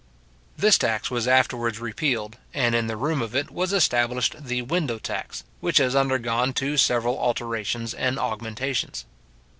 This tax was afterwards repealed, and in the room of it was established the window tax, which has undergone two several alterations and augmentations.